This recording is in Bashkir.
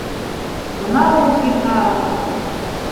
Бына ул гитара!